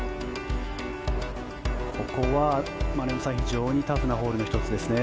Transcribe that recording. ここは丸山さん、非常にタフなホールの１つですね。